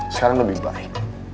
sekarang lebih baik